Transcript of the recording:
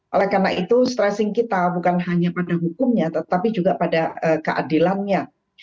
oleh karena itu stressing kita bukan hanya pada hukumnya tetapi juga pada keadilannya